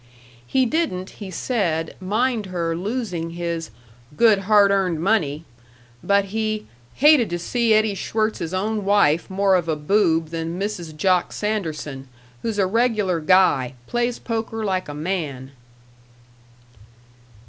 He didn't, he said, mind her losing his "good, hard earned money," but he "hated to see Eddie Schwirtz's own wife more of a boob than Mrs. Jock Sanderson, who's a regular guy; plays poker like a man."